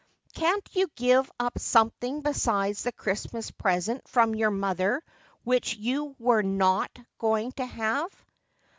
"Can't you give up something besides the Christmas present from your mother which you were not going to have?"